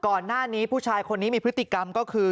ก่อนหน้านี้ผู้ชายคนนี้มีพฤติกรรมก็คือ